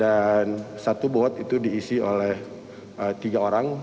dan satu bot itu diisi oleh tiga orang